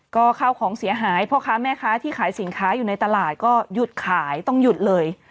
ก็ข้าวของเสียหายพ่อค้าแม่ค้าที่ขายสินค้าอยู่ในตลาดก็หยุดขายต้องหยุดเลย